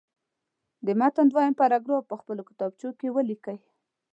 د متن دویم پاراګراف په خپلو کتابچو کې ولیکئ.